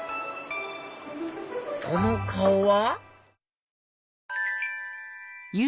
その顔は？